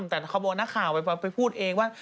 แต่เขาบอกนักข่าวไปพูดเองว่า